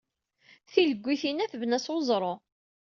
Tileggit-inna tebna s weẓru.